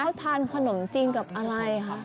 เขาทานขนมจีนกับอะไรคะ